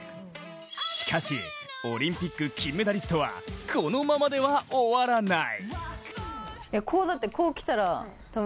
しかし、オリンピック金メダリストはこのままでは終わらない。